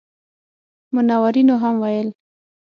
منورینو هم ویل.